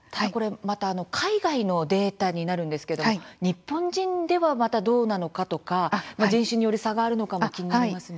また、海外のデータになるんですけれども日本人では、またどうなのかとか人種による差があるのかもまた気になります。